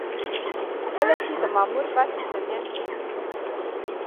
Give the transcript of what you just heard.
کله چې د مامور بست له منځه ځي.